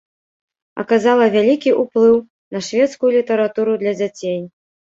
Аказала вялікі ўплыў на шведскую літаратуру для дзяцей.